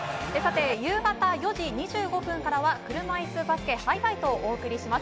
夕方４時２５分からは車いすバスケハイライトをお送りします。